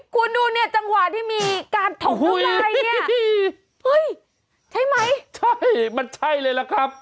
คุณดูเนี่ยจังหวะที่มีการถกทุลายเนี่ยเฮ้ยใช่ไหมใช่มันใช่เลยล่ะครับ